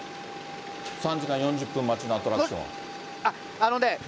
３時間４０分待ちのアトラクション。